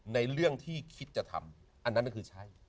ในเรื่องที่คิดจะทำอันนั้นก็คือใช่